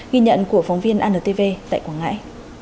ghi nhận của phóng viên antv tại quảng ngãi